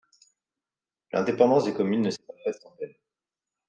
L’indépendance des communes ne s’est pas faite sans peine.